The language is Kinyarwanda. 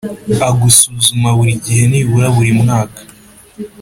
a gusuzuma buri gihe nibura buri mwaka